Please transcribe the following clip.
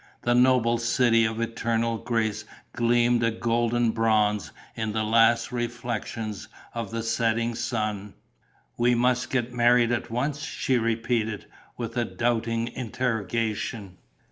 The noble city of eternal grace gleamed a golden bronze in the last reflection of the setting sun. "We must get married at once?" she repeated, with a doubting interrogation.